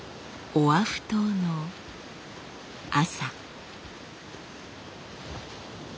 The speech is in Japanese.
オアフ島の朝。